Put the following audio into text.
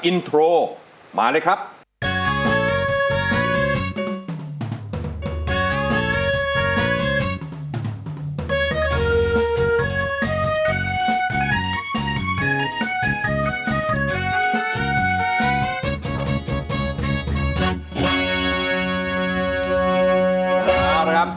อินโทรมาเลยครับ